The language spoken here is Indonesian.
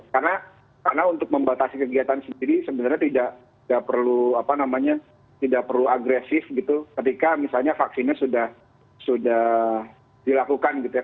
karena untuk membatasi kegiatan sendiri sebenarnya tidak perlu agresif gitu ketika misalnya vaksinnya sudah dilakukan gitu ya